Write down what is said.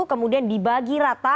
kemudian dibagi rata